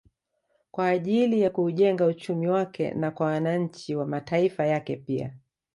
Kwa ajili ya kuujenga uchumi wake na kwa wananchi wa mataifa yake pia